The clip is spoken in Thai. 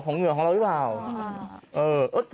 ของเหนื่อยของเรากันหรือเปล่า